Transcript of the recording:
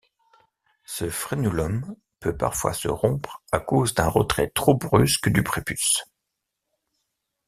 Ce frenulum peut parfois se rompre à cause d'un retrait trop brusque du prépuce.